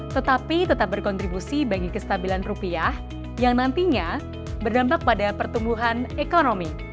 tetapi tetap berkontribusi bagi kestabilan rupiah yang nantinya berdampak pada pertumbuhan ekonomi